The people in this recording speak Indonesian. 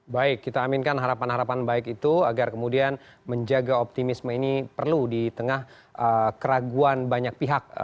baik kita aminkan harapan harapan baik itu agar kemudian menjaga optimisme ini perlu di tengah keraguan banyak pihak